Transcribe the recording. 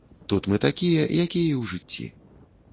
Тут мы такія, якія і ў жыцці.